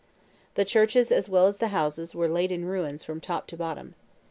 The churches as well as the houses were laid in ruins from top to bottom.